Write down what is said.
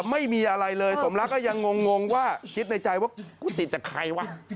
ไม่มีอะไรเลยสมรักก็ยังงงว่าคิดในใจว่ากูติดจากใครวะ